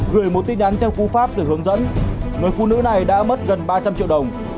gửi một tin nhắn theo cú pháp để hướng dẫn người phụ nữ này đã mất gần ba trăm linh triệu đồng